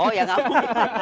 oh ya nggak